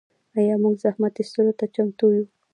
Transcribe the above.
آیا موږ زحمت ایستلو ته چمتو یو؟